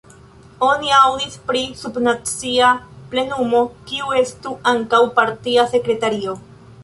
Oni aŭdis pri sub-nacia plenumo kiu estu ankaŭ partia sekretario.